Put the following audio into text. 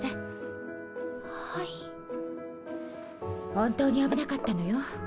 本当に危なかったのよ。